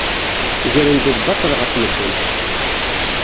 Gren-d lbaṭel ɣef medden.